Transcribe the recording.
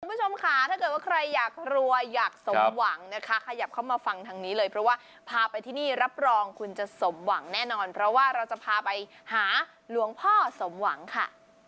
คุณผู้ชมค่ะถ้าเกิดว่าใครอยากรวยอยากสมหวังนะคะขยับเข้ามาฟังทางนี้เลยเพราะว่าพาไปที่นี่รับรองคุณจะสมหวังแน่นอนเพราะว่าเราจะพาไปหาหลวงพ่อสมหวังค่ะ